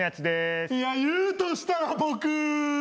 いや言うとしたら僕。